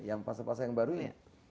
yang pasar pasar yang baru ya